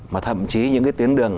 mà thậm chí những cái tuyến đường